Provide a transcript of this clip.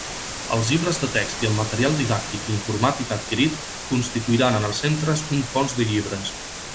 Els llibres de text i el material didàctic i informàtic adquirit constituiran en els centres un fons de llibres.